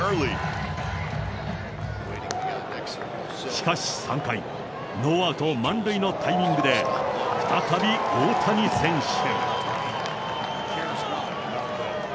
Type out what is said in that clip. しかし３回、ノーアウト満塁のタイミングで、再び大谷選手。